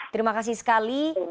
terima kasih sekali